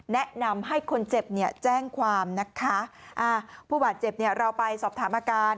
แนะนำให้คนเจ็บเนี่ยแจ้งความนะคะอ่าผู้บาดเจ็บเนี่ยเราไปสอบถามอาการ